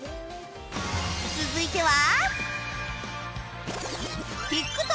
続いては